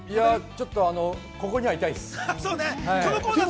ちょっとをここにはいたいです。